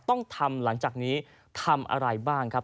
ต้องทำหลังจากนี้ทำอะไรบ้างครับ